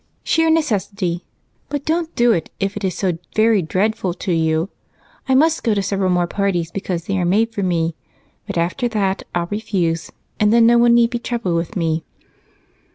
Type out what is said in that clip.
"Sheer necessity, but don't do it if it is so very dreadful to you. I must go to several more parties, because they are made for me, but after that I'll refuse, and then no one need be troubled with me."